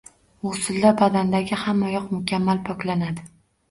G‘uslda badandagi hamma yoq mukammal poklanadi.